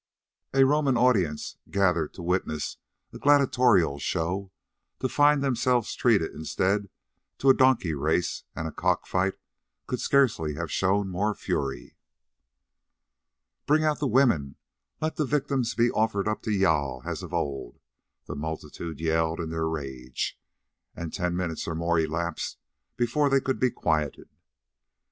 A Roman audience gathered to witness a gladiatorial show, to find themselves treated instead to a donkey race and a cock fight, could scarcely have shown more fury. "Bring out the women! Let the victims be offered up to Jâl as of old," the multitude yelled in their rage, and ten minutes or more elapsed before they could be quieted.